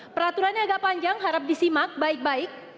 peraturannya agak panjang harap disimak baik baik